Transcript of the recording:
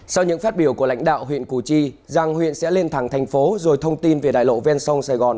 sau những phát biểu của lãnh đạo huyện củ chi giang huyện sẽ lên thẳng thành phố rồi thông tin về đại lộ ven sông sài gòn